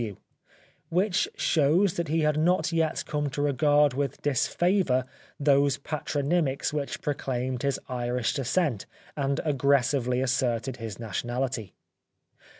F. W. W.," which shows that he had not yet come to regard with disfavour those patronymics which proclaimed his Irish descent and aggressively asserted his nationality.